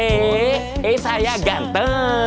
eh eh saya ganteng